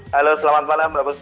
halo selamat malam